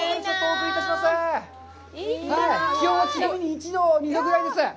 気温は、ちなみに１度２度ぐらいです。